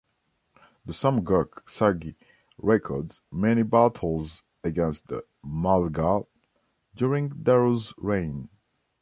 The Samguk Sagi records many battles against the "Malgal" during Daru's reign.